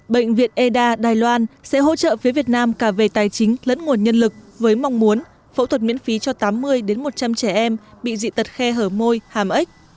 bệnh viện eda đài loan sẽ hỗ trợ phía việt nam cả về tài chính lẫn nguồn nhân lực với mong muốn phẫu thuật miễn phí cho tám mươi một trăm linh trẻ em bị dị tật khe hở môi hàm ếch